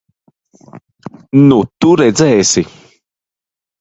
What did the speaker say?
Nu, tu redzēsi!